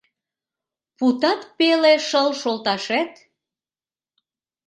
Путат пеле шыл шолташет